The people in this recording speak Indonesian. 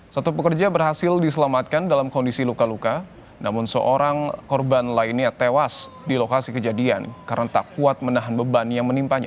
satu pekerja berhasil diselamatkan dalam kondisi luka luka namun seorang korban lainnya tewas di lokasi kejadian karena tak kuat menahan beban yang menimpannya